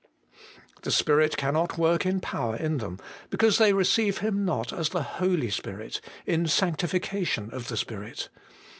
The Spirit cannot work in power in them because they receive Him not as the Holy Spirit, in sanctifi cation of the Spirit.